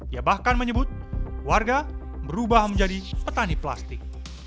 ia bahkan menyebut warga berubah menjadi petani plastik